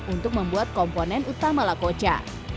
untuk membuat komponen utama lakocha